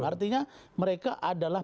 artinya mereka adalah